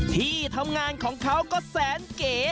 ที่ทำงานของเขาก็แสนเก๋